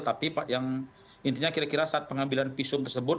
tapi yang intinya kira kira saat pengambilan visum tersebut